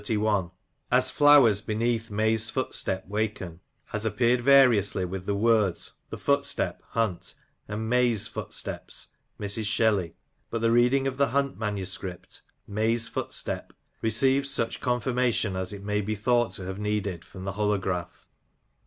—*' As flowers beneath Ma)r's footstep waken " has appeared variously with the words the footstep (Hunt), and Mays footsteps (Mrs. Shelley) ; but the reading of the Hunt manuscript, May's footstep, receives such confirmation as it may be thought to have needed from the holograph.